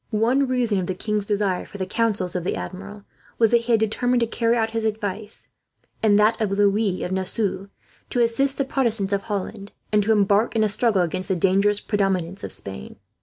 One reason of the king's desire for the counsels of the Admiral was that he had determined to carry out his advice, and that of Louis of Nassau, to assist the Protestants of Holland, and to embark in a struggle against the dangerous predominance of Spain.